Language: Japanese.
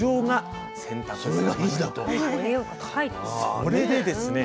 それでですね